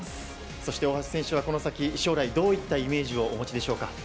そして大橋選手は、将来はどういったイメージをお持ちでしょうか。